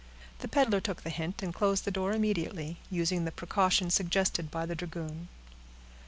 The peddler took the hint, and closed the door immediately, using the precaution suggested by the dragoon.